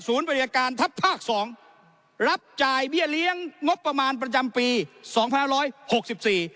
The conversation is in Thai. บริการทัพภาคสองรับจ่ายเบี้ยเลี้ยงงบประมาณประจำปีสองพันห้าร้อยหกสิบสี่